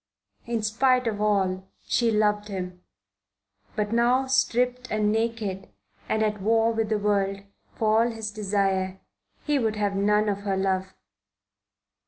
In spite of all, she loved him. But now, stripped and naked and at war with the world, for all his desire, he would have none of her love.